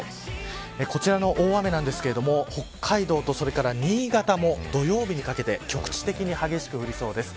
こちらの大雨なんですけども北海道と新潟も土曜日にかけて局地的に激しく降りそうです。